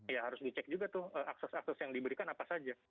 ya harus dicek juga tuh akses akses yang diberikan apa saja